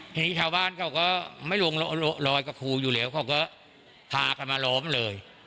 ทีนี้ชาวบ้านเขาก็ไม่ลงรอยกับครูอยู่แล้วเขาก็พากันมาล้อมเลย